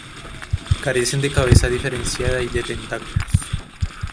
Carecen de cabeza diferenciada y de tentáculos.